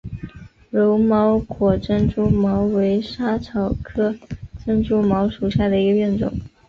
柔毛果珍珠茅为莎草科珍珠茅属下的一个变种。